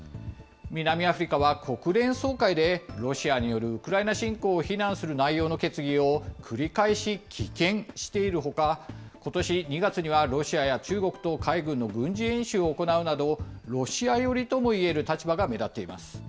南アフリカは国連総会で、ロシアによるウクライナ侵攻を非難する内容の決議を繰り返し棄権しているほか、ことし２月にはロシアや中国と海軍の軍事演習を行うなど、ロシア寄りともいえる立場が目立っています。